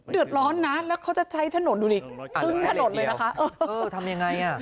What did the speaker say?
เดือดร้อนนะเค้าจะใช้ถนนเลยนะคะทำยังไงน่ะ